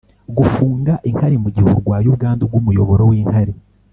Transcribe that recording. gufunga inkari mu gihe urwaye ubwandu bw’umuyoboro w’inkari